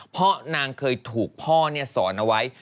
เพราะนางเคยถูกพ่อสอนเอาไว้